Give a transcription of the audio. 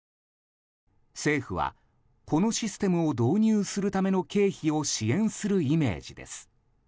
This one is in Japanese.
政府は、このシステムを導入するための経費を支援するイメージです。